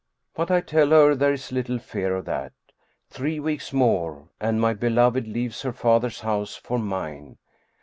But I tell her there is little fear of that. Three weeks more and my beloved leaves her father's house for mine.